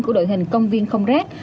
của đội hình công viên không rác